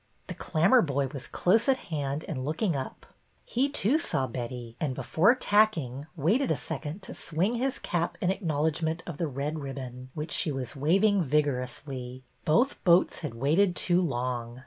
The Clammerboy was close at hand and look ing up; he, too, saw Betty, and before tacking waited a second to swing his cap in acknowledg ment of the red ribbon, which she was waving vigorously. Both boats had waited too long.